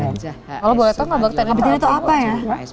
kalau boleh tahu ngabuk ten itu apa ya